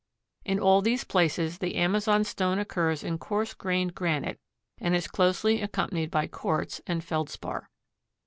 In all these places the amazonstone occurs in coarse grained granite and is closely accompanied by quartz and Feldspar.